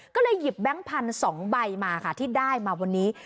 ก็เลยหยิบแบงค์พันธุ์๒ใบมาค่ะที่ได้มาวันนี้